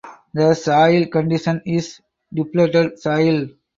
The soil condition is depleted soil.